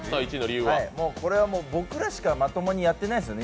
これは僕らしかまともにやってないですよね